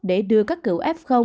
để đưa các cựu f